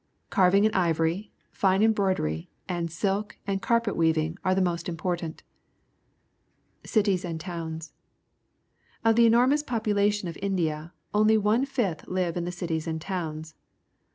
CarAJng in ivoQ'j fing_einr broiderjj and silk and carpet w.eaYing are the most important. Cities and Towns. — Of the enormous popu lation of India, onlj' one fifth Uye in the cities and towns.